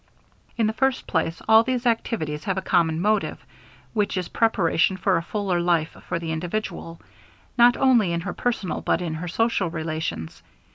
In the first place all these activities have a common motive, which is preparation for a fuller life for the individual, not only in her personal but in her social relations.